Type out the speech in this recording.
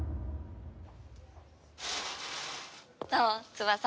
どう？